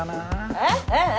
えっ？えっ？